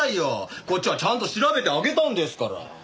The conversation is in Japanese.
こっちはちゃんと調べてあげたんですから。